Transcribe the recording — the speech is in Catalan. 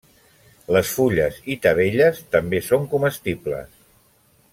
Les fulles i tavelles també són comestibles.